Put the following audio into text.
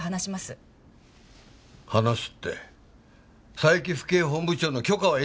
話すって佐伯府警本部長の許可は得たのか？